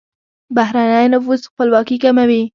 بهرنی نفوذ خپلواکي کموي.